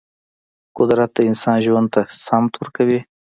قدرت د انسان ژوند ته سمت ورکوي.